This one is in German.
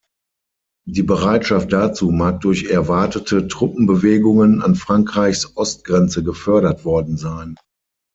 Die Bereitschaft dazu mag durch erwartete Truppenbewegungen an Frankreichs Ostgrenze gefördert worden sein.